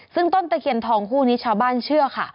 ซึ่งต้นตะเคียนทองคู่นี้ชาวบ้านเชื่อค่ะ